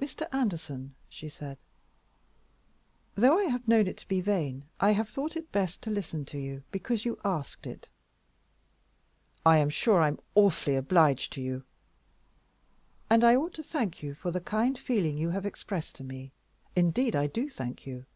"Mr. Anderson," she said, "though I have known it to be vain, I have thought it best to listen to you, because you asked it." "I am sure I am awfully obliged to you." "And I ought to thank you for the kind feeling you have expressed to me. Indeed, I do thank you.